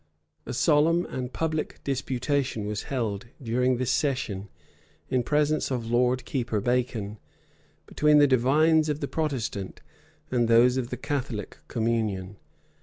A solemn and public disputation was held during this session in presence of Lord Keeper Bacon, between the divines of the Protestant and those of the Catholic communion.